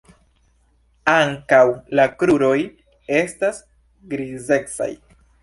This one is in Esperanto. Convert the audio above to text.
Ankaŭ la kruroj esta grizecaj.